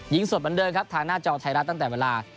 ยิงส่วนมาเดิมครับทางหน้าจองไทยรัฐตั้งแต่เวลา